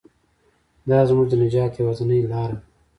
دا زموږ د نجات یوازینۍ لاره ده.